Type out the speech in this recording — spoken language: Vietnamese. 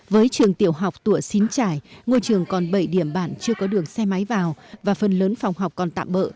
với trường tiểu học tủa xín trải ngôi trường còn bảy điểm bản chưa có đường xe máy vào và phần lớn phòng học còn tạm bỡ